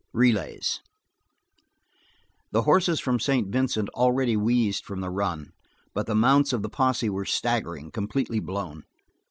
Relays The horses from St. Vincent already wheezed from the run, but the mounts of the posse were staggering completely blown.